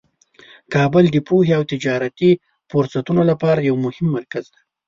کابل د پوهې او تجارتي فرصتونو لپاره یو مهم مرکز دی.